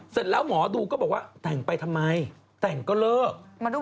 เสร็จแล้วหมอดูก็บอกว่าแต่งไปทำไมแต่งก็เลิก